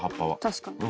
確かに。